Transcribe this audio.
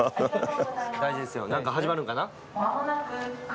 何か始まるんかな？